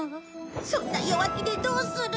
そんな弱気でどうする！